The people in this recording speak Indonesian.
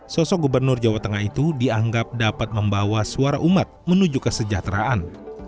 sosok gubernur jawa tengah itu dianggap dapat membawa suara umat menuju kesejahteraan